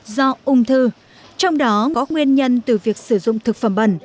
do ung thư trong đó có nguyên nhân từ việc sử dụng thực phẩm bẩn